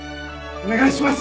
お願いします！